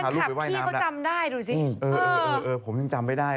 ทำงานมากไปจนลืมไปว่า